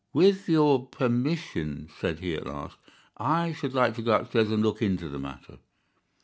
"With your permission," said he at last, "I should like to go upstairs and look into the matter."